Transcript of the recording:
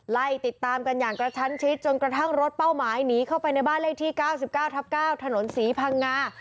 ไล่ติดตามกันอย่างกระชั้นชิดจนกระทั่งรถเป้าหมายหนีเข้าไปในบ้านเลขที่๙๙ทับ๙ถนนศรีพังงา